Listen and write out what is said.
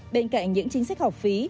bên cạnh những chính sách học phí